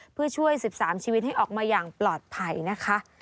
เพื่อช่วย๑๓ชีวิตให้ออกมาอย่างปลอดภัยนะคะ